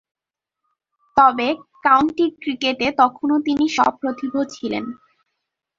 তবে, কাউন্টি ক্রিকেটে তখনও তিনি সপ্রতিভ ছিলেন।